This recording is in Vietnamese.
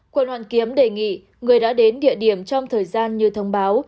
quận hoàn kiếm đề nghị người đã đến địa điểm trong thời gian như thông báo